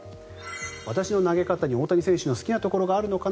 私の投げ方に、大谷選手の好きなところがあるのかな